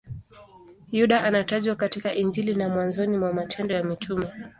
Yuda anatajwa katika Injili na mwanzoni mwa Matendo ya Mitume.